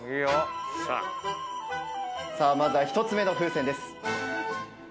まずは１つ目の風船です。